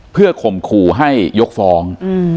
เพื่อข่มขู่ให้ยกฟ้อง